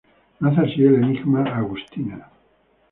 Nace así el enigma Agustina.